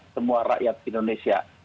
semua rakyat indonesia